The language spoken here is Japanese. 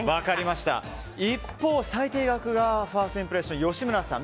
一方、最低額がファーストインプレッション吉村さん。